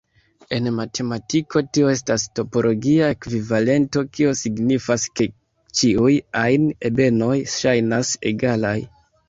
En matematiko, tio estas topologia ekvivalento, kio signifas, ke ĉiuj ajn ebenoj ŝajnas egalaj.